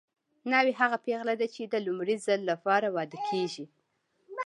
ناوې هغه پېغله ده چې د لومړي ځل لپاره واده کیږي